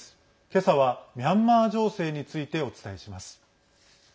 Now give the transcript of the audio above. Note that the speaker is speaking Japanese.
けさは、ミャンマー情勢についてお伝えします。